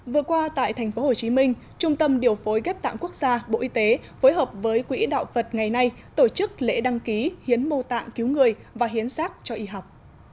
vừa qua tại tp hcm trung tâm điều phối ghép tạng quốc gia bộ y tế phối hợp với quỹ đạo phật ngày nay tổ chức lễ đăng ký hiến mô tạng cứu người và hiến sát cho y học